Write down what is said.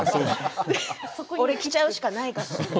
俺、着ちゃうしかないかと。